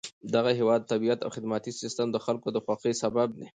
دغه هېواد طبیعت او خدماتي سیستم د خلکو د خوښۍ سبب دی.